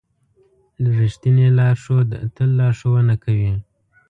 رښتینی لارښود تل لارښوونه کوي.